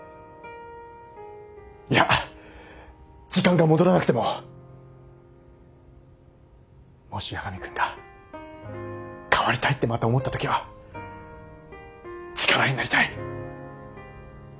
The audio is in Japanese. いや時間が戻らなくてももし八神君が変わりたいってまた思ったときは力になりたい。